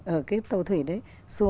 ở cái tàu thủy đấy